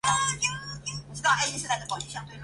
担任政务院文史研究馆馆员。